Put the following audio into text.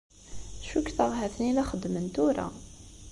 Cukkteɣ ha-ten-i la xeddmen tura.